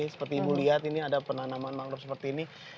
seperti ibu lihat ini ada penanaman mangrove seperti ini